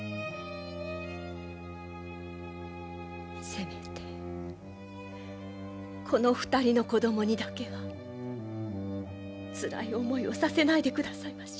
せめてこの２人の子供にだけはつらい思いをさせないでくださいまし。